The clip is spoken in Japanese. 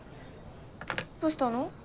どうしたの？